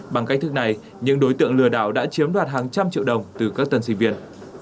bằng cách thức này những đối tượng lừa đảo đã chiếm đoạt hàng trăm triệu đồng từ các tân sinh viên